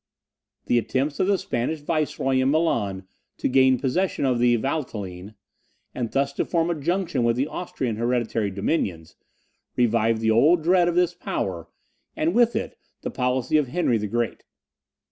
The attempts of the Spanish Viceroy in Milan to gain possession of the Valtelline, and thus to form a junction with the Austrian hereditary dominions, revived the olden dread of this power, and with it the policy of Henry the Great.